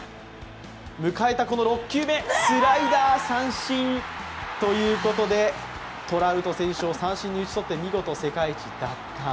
迎えたこの６球目、スライダー三振ということでトラウト選手を三振に打ち取って、見事世界一奪還。